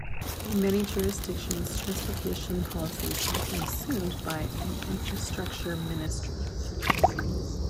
In many jurisdictions, transportation policy is often assumed by an Infrastructure Ministry.